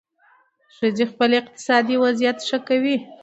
ښځې خپل اقتصادي وضعیت ښه کوي.